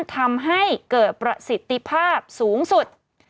ทำให้เกิดประสิทธิภาพสูงสุด